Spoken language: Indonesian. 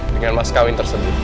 dengan mas kawin tersebut